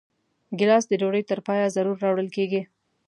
ګیلاس د ډوډۍ تر پایه ضرور راوړل کېږي.